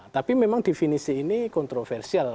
tapi memang definisi ini kontroversial